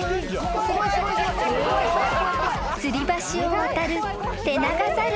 ［つり橋を渡るテナガザル］